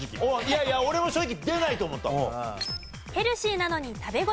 いやいや俺も正直出ないと思ったもん。